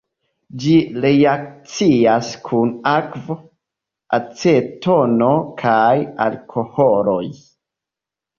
Ĝi reakcias kun akvo, acetono kaj alkoholoj.